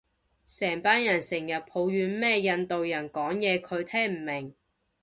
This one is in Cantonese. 成班人成人抱怨咩印度人講嘢佢聽唔明